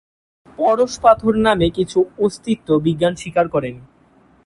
পরশ পাথর নামে কিছুর অস্তিত্ব বিজ্ঞান স্বীকার করেনি।